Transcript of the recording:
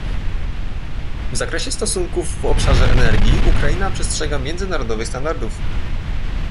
W zakresie stosunków w obszarze energii Ukraina przestrzega międzynarodowych standardów